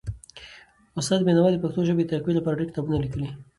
استاد بینوا د پښتو ژبې د تقويي لپاره ډېر کتابونه ولیکل.